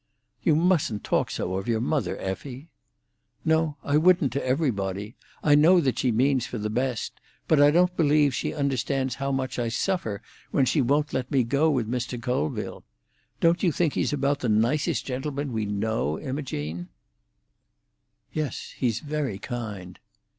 "You mustn't talk so of your mother, Effie." "No; I wouldn't to everybody. I know that she means for the best; but I don't believe she understands how much I suffer when she won't let me go with Mr. Colville. Don't you think he's about the nicest gentleman we know, Imogene?" "Yes; he's very kind."